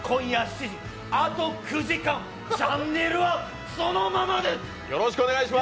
あと９時間、チャンネルはそのままで！